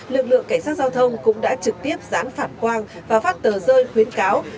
lực lượng cảnh sát giao thông cũng đã trực tiếp dán phản quang và phát tờ rơi khuyến cáo